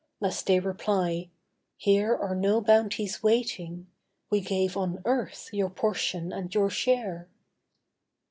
Lest they reply: 'Here are no bounties waiting: We gave on earth, your portion and your share.